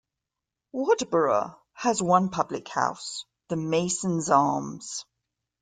Wadborough has one public house, the Masons Arms.